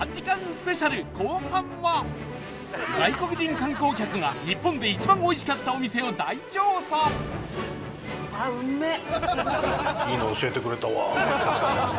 スペシャル後半は外国人観光客が日本で一番美味しかったお店を大調査あっうめえ！